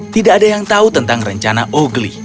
tidak ada yang tahu tentang rencana ogli